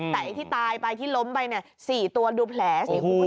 แต่ที่ตายไปที่ล้มไป๔ตัวดูแผล